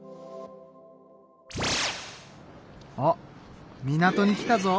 あっ港に来たぞ。